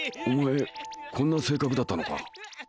お前こんな性格だったのか。